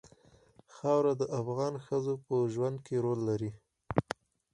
خاوره د افغان ښځو په ژوند کې رول لري.